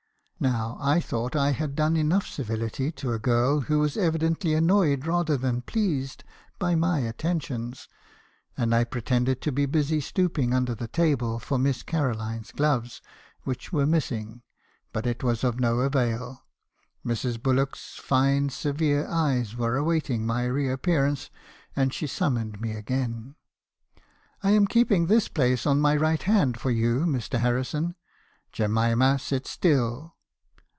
Now I thought I had done enough civility to a girl who was evidently annoyed rather than pleased by my attentions , and I pretended to be busy stooping under the table for Miss Caroline's gloves, which were missing; but it was of no avail; Mrs. Bullock's fine severe eyes were awaiting my re appearance , and she summoned me again. " *I am keeping this place on my right hand for you, Mr. Harrison. Jemima ; sit still